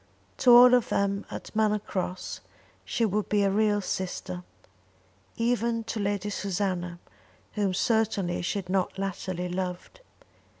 To all of them at Manor Cross she would be a real sister, even to Lady Susanna whom certainly she had not latterly loved.